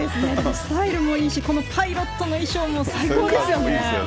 スタイルもいいし、このパイロットの衣装も最高かっこいいですよね。